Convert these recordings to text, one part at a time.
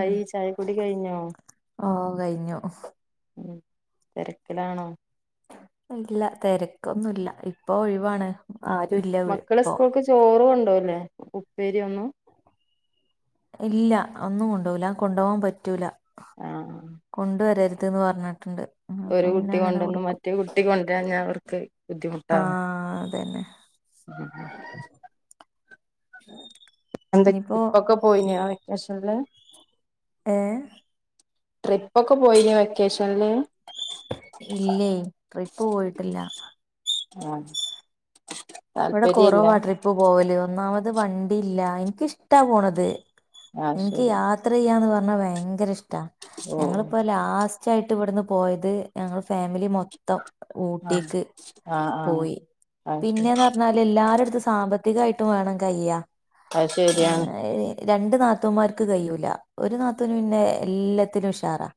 ഉം ചായ കുടിക്കഴിഞ്ഞോ ഓ കഴിഞ്ഞു തേരക്കിലാണോ ഇല്ല തേരക്കൊന്നും ഇല്ല ഇപ്പോ ഒഴിവാണ് ആരുല്ല വീ മക്കള് ഇപ്പൊ സ്കൂളിക് ചോറ് കൊണ്ടുവില്ലേ ഉപ്പേരിഒന്നും ഇല്ല ഒന്നും കൊണ്ടോല്ല കൊണ്ടോവാൻ പറ്റൂല ആഹ് കൊണ്ടുവരരുത് ത്ത്ന്ന്പറഞ്ഞിട്ടുണ്ട് ഒരു കുട്ടി കൊണ്ടന്ന് മറ്റേ കുട്ടി കൊണ്ടുരാൻ ഞാ ത്ത് ആ പിന്നെ എന്ത് ഒക്കെ ഇനിയിപ്പോ ട്രിപ്പൊക്കെ പോയിനോ വെക്കേഷനില് ഏ ട്രിപ്പ് ഒക്കെ പോയിനോ വെക്കേഷനില്? ഇല്ലേ ട്രിപ്പ് പോയിട്ടില്ല ആ ഇവിടെ കൊറവാ ട്രിപ്പ് പോകല് ഒന്നാമത ത് വണ്ടി ഇല്ല എനിക്ക് ഇഷ്ട്ടാ പോണത്. ആഹ് എനിക്ക് ശരി യാത്ര ചെയ്യാൻ പ ണ ഭയങ്കര ഇഷ് ട്ട ഓ ഞങ്ങൾ ഇപ്പോ ലാസ്റ്റ് ച്ചായിട്ട് ഇവിടുന്ന് പോയത് ഞങ്ങൾ ഫാമിലി മൊത്തം ആഹ് ഊട്ടിക്ക് ആഹ് ആഹ് പോയി അത് ശരി പിന്നെ എല്ലാരടുത്തും സാമ്പത്തികയിട്ടും വേണം കഴിയാ അത് ശരിയാണ് രണ്ടു നാത്തൂന്മാർക്ക് കഴിയുല്ല. ഒരു നാത്തൂന് പിന്നെ എല്ലത്തിനും ഉഷാറാ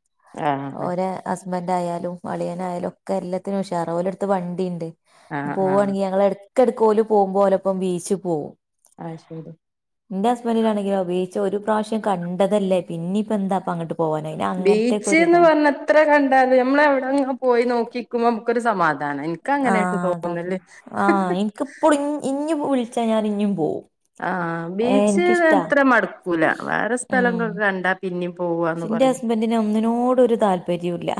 ആഹ് ഓരേ ഹസ് ബെന്റായാലും അളിയനായാലും, ഒക്കെ എല്ലത്തിനും ഉഷാറാ ഓലെടത്ത് വണ്ടിണ്ട് ആഹ് ആഹ് പോവണെങ്കി ഞങ്ങളെ അടു ടക്കെടക്ക് ഓല് പോവുമ്പൊ ഓലോപ്പം ബീച്ച് പോകും അത് ശെരി ന്റെ ഹസ്ബൻഡിനാണെങ്കിലോ ബീച്ച് ഒരു പ്രാവശ്യം കണ്ടതല്ലേ പിന്നിപ്പം എന്താ അപ്പൊ അങ്ങട്ട് പോവാന് അയിന് അങ്ങനത്തേക്കെ ബീച്ച്ന്ന് ഒരിതാണ് പറഞ്ഞാ എത്ര കണ്ടാലും നമ്മൾ അവിടെ അങ്ങ് പോയി നോക്കി നിക്കുമ്പോ രു സമാധ ആ അതാണ് ആ ഇൻക്ക് ഇപ്പളും ഇന് വിളച്ചയിഞ്ഞ ഞാൻ ഇനിയും പോവും ആ ഏഹ് ബീച്ച് എനിക്കിഷ്ടാ അത്ര മടുക്കൂല വേറെ സ്ഥലങ്ങള് കണ്ടാൽ പിന്നിയും എന്റെ ഹസ്ബൻഡിന് ഒന്നിനോട് ഒരു താൽപര്യല്ല.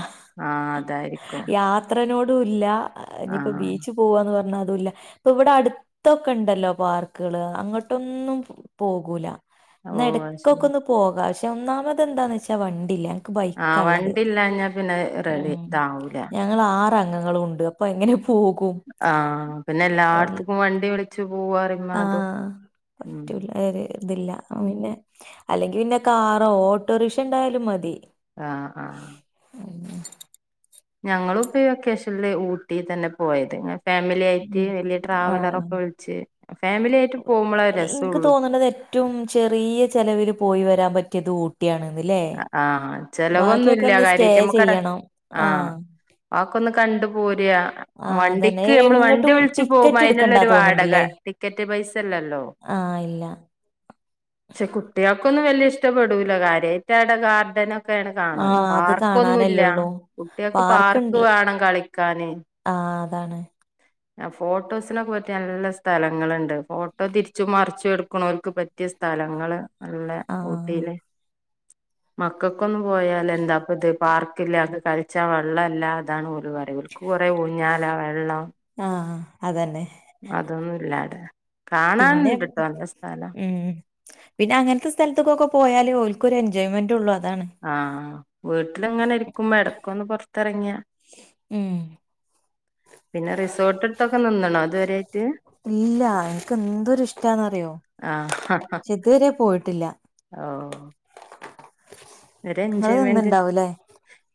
ആഹ് അതായിരിക്കും യാത്ര നോടൂല്ല ആ ഇനീപ്പം ആഹ് ബീച്ചിൽ പോവാന്ന് പറഞ്ഞാ ല്ല ഇപ്പം ഇവടെ അടുത്തൊക്കെണ്ടല്ലോ പാർക്കുകള് അങ്ങോട്ടൊന്നും പോകൂല ഇന്ന ഓഹ് അത് ഇടക്കൊക്കെ ശരി ഒന്നു പോകാ ഒന്നാമത് എന്താന്നു വെച്ച വണ്ടിയില്ല ആ ബൈക്കാ വണ്ടി ഇല്ലഞ്ഞ പിന്നെ റെഡി താ ഞങൾ ആ അംഗങ്ങളും ഉണ്ട് അപ്പൊ എങ്ങനെയാ [unintelligible] ആ പിന്നെ ഇപ്പൊ എല്ലാടത്തും വണ്ടി വിളിച്ചു പോവാറിയുമ്പോ ആ അതും [unintelligible] ഉം തില്ല ആ ന്നെ അല്ലെങ്കി പിന്നെ കാറോ ഓട്ടോറിക്ഷ ണ്ടായാലും മതി ആ ആ ഉം ഞങ്ങളും പ്പ ഈ വെക്കേഷനിൽ ഊട്ടി തന്നെ പോയത് ഫാമിലി ആയിട്ട് വലിയ ട്രാവലർ ആഹ് ഒക്കെ വിളിച്ചു ഫാമിലി ആയിട്ട് പോകുമ്പോഴേ രസ് എനിക്ക് ഉള്ളൂ തോന്നുന്നത് രാൻ പറ്റിയത് ഊ ആ ചിലവ് ഒന്നും ബാക്കിയൊക്കെ ഇല്ല ഒന്ന് സ്റ്റേ ചെയ്യണം. [unintelligible] ആഹ് ആ കൊന്നു കണ്ട് പോ [unintelligible] ആഹ് അതന്നെ വണ്ടിക്ക് നന്മ വണ്ടി എങ്ങട്ടും വിളിച്ചു പോകുമ്പോ ടിക്കറ്റ് അതിനുള്ള എടുക്കണ്ടാ ഒരു വാടക തോന്ന്ണ്ട്ല്ലേ? ടിക്കറ്റ് പൈസ ഇല്ലല്ലോ ആഹ് ഇല്ല പക്ഷേ കുട്ടികൾക്ക് ക്ക് ഒന്നും വലിയ ഇഷ്ടപ്പെടൂല്ല കാര്യ [unintelligible] കേ ആണ് കാണാൻ ആഹ് അത് പാർക്ക് ഒന്നു ഇല്ല കാണാനല്ലേള്ളൂ. കുട്ടികൾക്ക് പാർക്ക് പാർക്ക്ണ്ട് വേണം കളിക്കാന് ന്താണ് ഫോട്ടോസിനൊക്കെ പറ്റിയ നല്ല സ്ഥലങ്ങൾ ഉണ്ട് ഫോട്ടോ തിരിച്ചും മറിച്ചും എടുക്കുന്നോർക്ക് പറ്റിയ സ്ഥലങ്ങള് നല്ല ആഹ് ഊട്ടി ല് മക്കോക്കൊന്നും പോയലെന്താ അപ്പോത് ക്കു പാർക്ക് ഇല്ല അത് കായിച്ചാൽ വെള്ളം ഇല്ല അത് ആണ് ഓര് പറയും [unintelligible] കുറെ ഊഞ്ഞാല വെള്ളം ആ അത് തന്നെ അതൊന്നും ഇല്ല പിന്നെ ഉം പിന്നെ അങ്ങനത്തെ സ്ഥലത്തക്കൊക്കെ പോയാലേ ഓ ഒരു എൻജോയ്മെന്റ് ഉള്ള ആ വീട്ടില എങ്ങനെ ഇരിക്കുമ്പോ ഇടക്കന്ന് പുറത്തിറങ്ങിയാ ഉം പിന്നെ റിസോർട്ട്ത്തൊക്കെ നിന്നണോ അതുവരെ ഇല്ല എനക്ക് എന്തോ ഒരു ഇഷ്ടാന്ന്റിയോ ആഹ് ഇക്ഷേ ഇതുവരെ പോയിട്ട് യില്ല ഓ ഒരു നിങ്ങള് എൻജോയ്മെന്റ് നിന്നുണ്ടാവൂലേ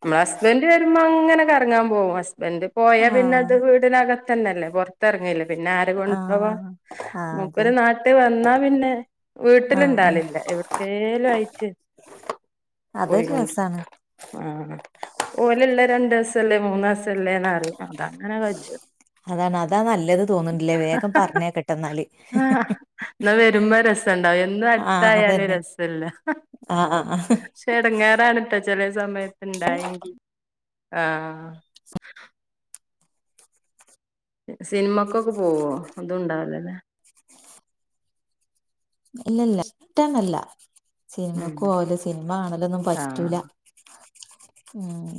നമ്മളെ ഹസ്ബന്റ് വരുമ്പോ അങ്ങനെറങ്ങാൻ പോകും ഹസ് വെന്ത് പോയാ ആഹ് പിന്നത് വീടിനക തന്നല്ലേ പൊർത്തെറ്ങ്ങേലെ പിന്നാര് കൊണ്ടോവാ ആഹ് ആഹ് പിന്നെ അതെ മൂപ്പര് നാട്ട് വന്നാ പിന്നെ ആഹ് ആഹ് വീട്ട്ലിണ്ടാലില്ല എവ്ട്ക്കേലായിട്ട് അതൊരു ഓയിലുണ്ട് രസാണ് ആ ഓയിലുള്ള രണ്ട് സല്ലേ മൂന്നാസല്ലേന്നറ്യാ അതങ്ങനെ കജും അതാണ് അതാ നല്ലത് തോന്നുന്നില്ലേ വേഗം പറഞ്ഞേക്കട്ടെ എന്നാല് ന്നാ വരുമ്പം രസണ്ടാവും എന്നും ആഹ് അട്ത്തായാല് അതന്നെ രസല്ല. ആഹ് ആഹ് ആഹ് പക്ഷെ എടങ്ങേറാണ് ട്ട ചെലെ സമയ ഇണ്ടായെങ്കി ആ സിനിമക്കൊക്കെ പോവോ അതും ണ്ടാവൂലല്ലേ ഇല്ല ല്ല ഷ്ട ന്നെല്ല. ഉം സിനിമക്കോവലും സിനിമ കാണലൊന്നും ആഹ് പറ്റൂല ഉം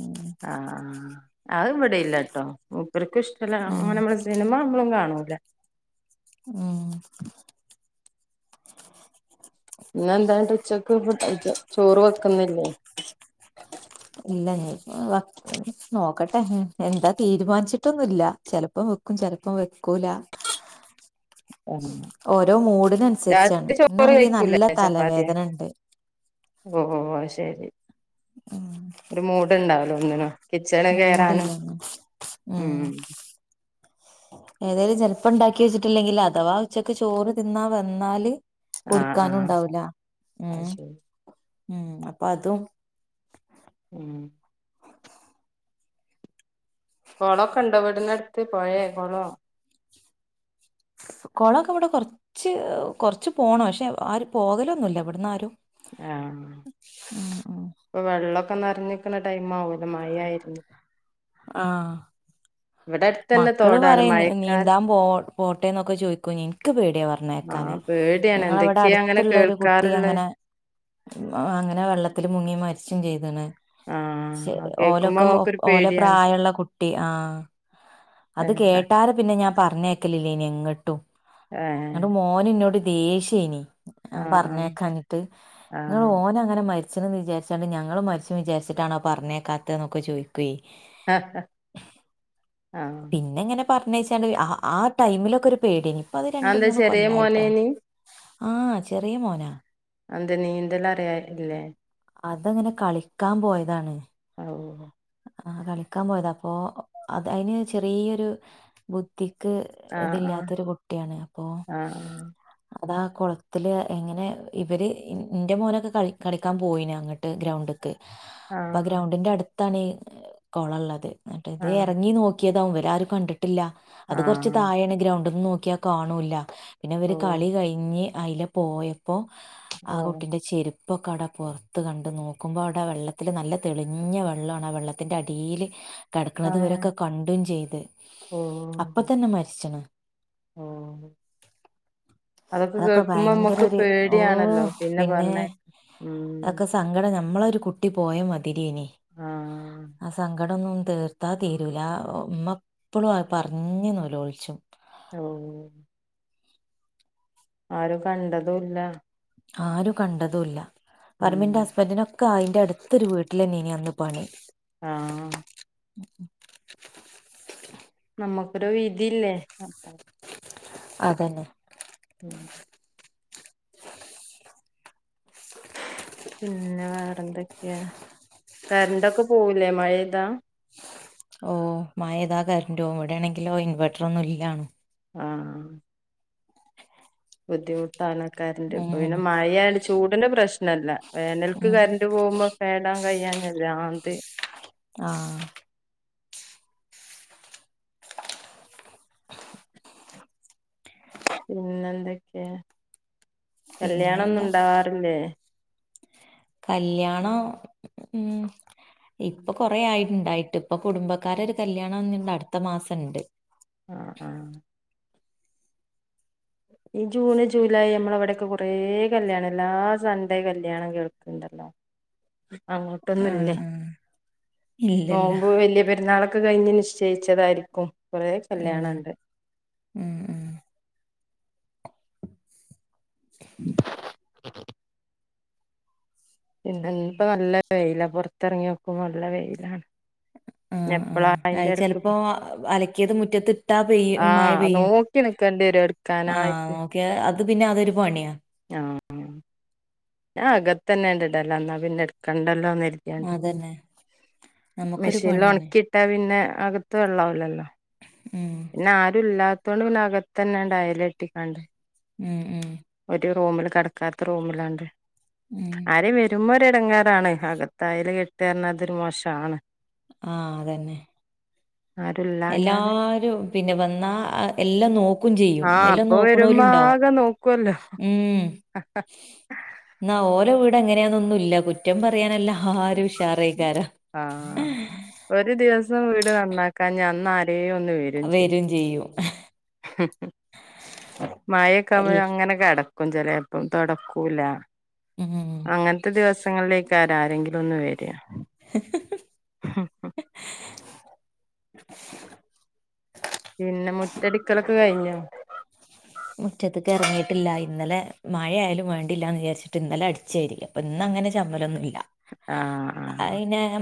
ആഹ് അത് ഇവിടില്ലട്ടോ ഓര്ക്കിഷ്ടല്ല ഉം അങ്ങനെ മ്മള് സിനിമ അമ്മളും കാണും ല ഉം ഇന്നെന്താണ്ട് ഉച്ചക്ക് ഫുഡ് ചോറ് വെക്കുന്നില്ലേ ഇല്ല നീ വക്ക നോക്കട്ടെ എന്താ തീരുമാനിച്ചിട്ടൊന്നുല്ല ചെലപ്പം വെക്കും ചെലപ്പം വെക്കൂല ആഹ് ഓരോ മൂഡിനൻസര്ച്ചാണ് രാത്രി ചോറ് ഇന്നാണെങ്കി കഴിക്കൂലേ നല്ല തലവേദന ണ്ട് ഓ ഓ അഅ് ശെരി ഒര് മൂട്ണ്ടാ ടൊന്നിനും മൂടില്ലെന്നു ഉം ഉമ് ഏതായാലും ചെൽ ഇപ്പ ണ്ടാക്കി വെച്ചിട്ടില്ലെങ്കിൽ അഥവാ ഉച്ചക്ക് ചോറ് തിന്നാ വന്നാല് ആഹ് ആഹ് കൊടുക്കാനുണ്ടാവൂല അത് ഉമ് ശരി ഉം അപ്പൊ അതും ഉം കൊള കണ്ടോ വീടിനട്ത്ത് പോയേ കൊളോ കൊളൊക്കെ വടെ കൊർച്ച് കൊറ്ച്ച് പോണം ക്ഷെ ആര് പോകലൊന്നുല്ല ഇവിട്ന്നാരും ആ ഇപ്പ വെള്ള ഇപ്പ നർഞ്ഞിക്ക്ണ ടൈംമാവൊല്ലോ മയായിരുന്ന് ആ അടുത്തന്നെ മക്കള് തോടാണ് പറയുന്ന്‌ മഴക്കാല നീന്താൻ പോ പോട്ടെ ന്നൊക്കെ ചോയ്ക്കൂഞ്ഞ് ഇൻക്ക് പേട്യാ പർഞ്ഞേക്കാന് ആഹ് പേടിയാണ് ഞങ്ങളവടെ എന്തൊക്കെയാ അങ്ങനെ അട്ത്ത്ള്ള ഒരു കുട്ടി കേൾക്കാറുള്ളെ അങ്ങനെ അങ്ങനെ വെള്ളത്തില് മുങ്ങി മരിച്ചും ചെയ് ആഹ് അത് [unintelligible] കേക്കുമ്പോ ഓലക്കൊ നമ്മുക്കൊരു ഓല പേടിയാണ് പ്രായുള്ള കുട്ടി ആ അത് ഏഹ് കേട്ടാല് പിന്നെ ഞാൻ പറഞ്ഞേക്കലില്ലേ ഇനിയെങ്ങട്ടും ഏഹ് അന്റ മോനിന്നോട് ദേഷേനി നാൻ ആഹ് പറഞ്ഞേക്കഞ്ഞിട്ട് ഇങ്ങ ആഹ് ഓനങ്ങന മരി സെലന്ന് വിചാരിച്ചാണ് ഞങ്ങളും മേസിമം വിചാരിച്ചിട്ടാണോ പറഞ്ഞേക്കാത്തെന്ന് ചോയിക്കുവേ അ ആ പിന്നെങ്ങനെ പറ നേയ്ച്ചാല് അ ആ ടൈമിലൊക്കൊരു പേടി പ്പത് രണ്ടു അതെന്താ മൂന്നു ചെറിയ കൊല്ലായിട്ടോ മോനേനി ആ ചെറിയ മോനാ അതെന്താ നീന്തലറിയാ ഇല്ലേ അതങ്ങനെ കളിക്കാൻ പോയതാണ് ഔ ആ കളിക്കാൻ പോയതാപ്പോ അതയ്ന് ചെറിയൊരു ബു ത്തിക്ക് ആഹ് ആഹ് ഇതില്ലാത്തൊരു കുട്ടിയാണ് അപ്പോ അതാ കൊളത്തില് എങ്ങനേ ഇവര് ന്റെ മോനൊക്കെ കളി കടിക്കാൻ പോയിന് അങ്ങട്ട് ഗ്രൗ ക് ആഹ് ആഹ് പ്പഗ്രൗണ്ടിന്റെ അടു ത്തണി കോളള്ളത് അന്റതേ ആഹ് എറങ്ങി നോ ക്കിയതാവും വെരാർ കണ്ട് ട്ടില്ല അതു കുറച്ച് ആഹ് താഴേണ് ഗ്രൗണ്ടും ക്കിയ കാണൂല പിന്നഇവര് ഓഹ് കളികയിഞ്ഞ് അയില പോയപ്പോ ആ ഓഹ് കുട്ടിന്റ ചിരി പ്പോകട പൊറത്തു കണ്ട് നോക്കുമ്പാടാ വെള്ളത്തില് നല്ല തെളിഞ്ഞ വെള്ള ള്ളാണ വെള്ളത്തിന്റെ അടീല് ആഹ് കെടക്കണതിവരക്ക കണ്ടും ചെയ്ത് അപ്പ തന്ന മരിച്ചണ് ഓ അതക്ക അതൊക്കെ കേക്കുമ്പം ഭയങ്കര നമ്മക്ക് ഒരു ഓ പേടിയാണല്ലോ പിന്ന പിന്നെ പറണെയ് ൻ്റു കുട്ടി പോയാ മതിനി നി ആഹ് അ സങ്കടം ടണുതീർത്താ തീരൂല ഉമ്മ എപ്പളും ആ പറഞ്ഞ്നൊലുച്ചു ഓ ആരും കണ്ടതുല്ല ആരു കണ്ടതുല്ല ഉം വരുമെന്റ ഹസ്ബൻഡിനു എനിക്ക് ആ അയിന്റെ അടുത്ത് ഒരു വീട്ടിൽ ആയിരുന്നു അന്ന് പണി ആഹ് നമുക്ക് ഒരു വിധി ഇല്ലേ അതന്നെ ഉം എന്തൊക്കെയാ കറന്റ്‌ ഒക്കെ പോവില്ലേ മഴതാ ഓ മഴ പെയ്ത കറന്റ്‌ പോവും ഇവിടെയണേൽ ഇൻവെർട്ടർ ഒന്നും ഇല്ലനും ആ ബുദ്ധിമുട്ടാ കറന്റ്‌ ഉം മഴാ ആയൊണ്ട് ചൂടിന്റെ പ്രശ്നയില്ല വേനൽക്ക് ഉം കറന്റ്‌ പോവുമ്പോ ഫാൻ ഇടാൻ കഴിയാണ്ട് [unintelligible] ആ ആ പിന്നീന്തൊക്കയാ കല്യാണം ഒന്നും പിന്നെന്താ ഇണ്ടാവാറില്ലേ കല്യാണം ഇപ്പൊ കുറെയായിഉണ്ടായിട്ട് ഇപ്പൊ കുടുംബക്കാരുടെ ഒരു കല്യാണം അടുത്ത മാസം ഇണ്ട് ആ ആ ജൂൺ ജൂലായ്‌ നമ്മുടെ അവിടെയൊക്കെ കുറേ കല്യാണം എല്ലാ സൺഡേ കല്യാണം കേക്കണ്ടല്ലോ അങ്ങോട്ടു ഒന്നും ആഹ് ഇല്ലേ ആഹ് ഇല്ലല്ല നോമ്പ് വലിയാ പെരുനാൾ ഒക്കെ കഴിഞ്ഞി നിച്ചയിച്ചത് ആയിരിക്കും കുറെ ഉം കല്യാണം ഇണ്ട് ഉം ഉം [inaudible] [unintelligible] [unintelligible] ഇണ്ട് ഇപ്പൊ നല്ല വെയിൽ പുറത്ത് ഇറങ്ങിയപ്പോ നല്ല വെയില ആ ആ ചെലപ്പോ അലക്കിയത് മുറ്റത്ത് ഇട്ട പെയ്യും മഴാ ആഹ് പെയ്യും നോക്കി നിക്കേണ്ടി വരും ആ എടുക്കാനായിട്ട് ഒകെ അത്‌ പിന്നെ ഒരു പണിയ ആ ആ ഞാൻ അകത്തു തന്നെ ഇടൽ അന്നാ പിന്നെ എടുക്കണ്ട എടുക്കണ്ടല്ലോ കരുതിയാണ്ട് അതന്നെ നമുക്കൊരു മിഷനിൽ പണിയാണ് ഒണാക്കി ഇട്ടാൽ പിന്നെ അകത്തു വെള്ളം ആവില്ലല്ലോ ഉം എന്നാ ആരും ഇല്ലാത്ത ഇല്ലാത്തോണ്ട് അകത്തു തന്നെ ആയ കേട്ടിക്കാണ്ട് മ്മ് മ്മ് റൂമിൽ കിടക്കാത്ത റൂമിലാണ്ട് ഉം ആരെയും വരുമ്പോ എടങ്ങേറാണ് അകത്തു അയയിൽ കേട്ട പറഞ്ഞാൽ അത്‌ ഒരു മോശമാണ് ആ അതന്നെ ആരുല്ലാഞ്ഞാൽ എല്ലാരും പിന്നെ വന്ന എല്ലാം നോക്കും നോക്കും ചെയ്യും ആഹ് എല്ലാം അപ്പൊ നോക്കുന്നവരും വരുമ്പോ ഇണ്ടാവും ആകെ നോക്കുവല്ലോ മ്മ് എന്നാ ഓരെ വീട്ടിൽ അങ്ങനെയൊന്നുമില്ല കുറ്റം പറയാൻ അല്ലേ ഉഷാറായി [unintelligible] [unintelligible] എ ഒന്ന് വരും ചെയ്യും മഴ ഒക്കെ എൽ അങ്ങനെ കിട കും ചേലെപ്പം തോടക്കൂല ഉം അങ്ങനത്തെ ദിവസങ്ങളില് ആരെങ്കിലും ഒന്ന് വരുവാ [unintelligible] [unintelligible] പിന്നെ മുറ്റടിക്കൽ ഒക്കെ കഴിഞ്ഞോ മുറ്റത്തേക്ക് ഇറങ്ങിയിട്ടില്ല ഇന്നലെ മഴ ആയാലും വേണ്ടിയില്ലെന്ന് വിചാരിച്ചിട്ട് ഇന്നലെ അടിച്ചു വാരി അപ്പോ ഇന്ന് അങ്ങനെ ചപ്പൽ ഒന്നുമില്ല ആ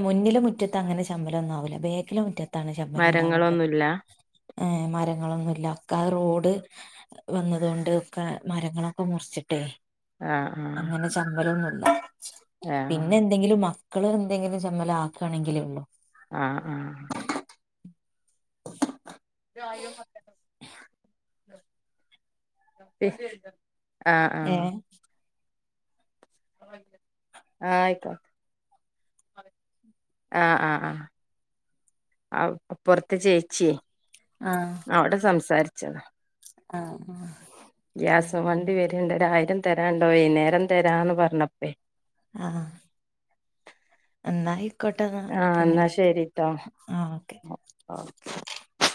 മുന്നിലെ മുറ്റത്ത് അങ്ങനെ ചമ്മൽ ആവില്ല ബാക്കിലെ മുറ്റത്തു ചമ്മൽ ഉണ്ടാവുള്ളൂ മരങ്ങളൊന്നുല്ല ആ മരങ്ങൾ ഒന്നുമില്ല ഒക്കെ റോഡ് വന്നതുകൊണ്ട് കെ മരങ്ങളൊക്കെ മുറിച്ചു ആഹ് അങ്ങനെ ചമ്മൽ ഒന്നും [inaudible] ആഹ് പിന്നെ എന്തെങ്കിലും മക്ക ക്കൾ എന്തങ്കിലും ചമ്മൽ ആർക്കാണെങ്കിലേ ഉള്ളൂ ആ ആ [unintelligible] [unintelligible] ആ ആ ഏഹ് ആ ഇപ്പോ ആ ആആ പുറത്ത് ചേച്ചിയെ ആഹ് അവിടെ സംസാരിച്ചത ആ ഉം ഗ്യാസ് വണ്ടി വരുന്നുണ്ട് ഒരായിരം തരാൻ ണ്ടോ വൈകുന്നേരം തരാം എന്ന് പറഞ്ഞപ്പോഴേ ആ ന്ന ആയിക്കോട്ടെ ആഹ് പിന്നെ എന്നാ വിളിക്കാം ശരിട്ടോ ആ ഓക്കേ [unintelligible]